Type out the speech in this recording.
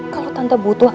kalau tante butuh apapun